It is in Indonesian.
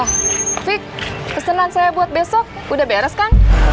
eh fik pesanan saya buat besok udah beres kan